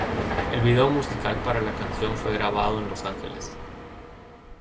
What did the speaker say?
El video musical para la canción fue grabado en Los Ángeles.